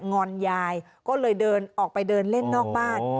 งอนยายก็เลยเดินออกไปเดินเล่นนอกบ้าน